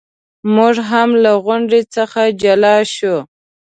موږ هم له غونډې څخه جلا شو.